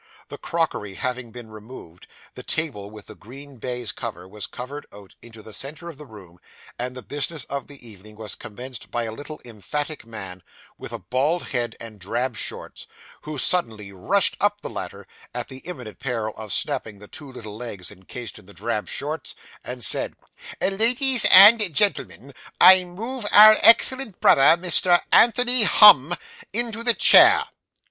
The crockery having been removed, the table with the green baize cover was carried out into the centre of the room, and the business of the evening was commenced by a little emphatic man, with a bald head and drab shorts, who suddenly rushed up the ladder, at the imminent peril of snapping the two little legs incased in the drab shorts, and said 'Ladies and gentlemen, I move our excellent brother, Mr. Anthony Humm, into the chair.